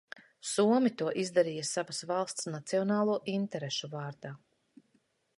Somi to izdarīja savas valsts nacionālo interešu vārdā.